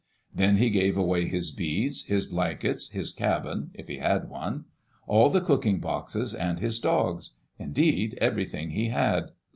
Then he gave away his beads, his blankets, his cabin (if he had one), all the cooking boxes, and his dogs — indeed, everything he had.